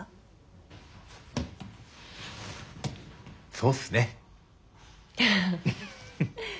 そうっすね。